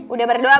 udah berdoa belum